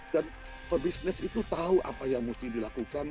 dan pebisnis itu tahu apa yang mesti dilakukan